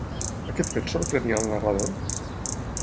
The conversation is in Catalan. Aquest fet sorprenia el narrador?